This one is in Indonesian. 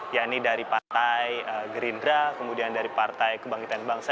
ya ini dari partai gerindra kemudian dari partai kebangkitan bangsa